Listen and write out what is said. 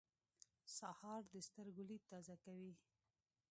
سهار د سترګو لید تازه کوي.